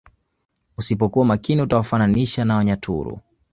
Usipokua makini utawafananisha na wanyaturu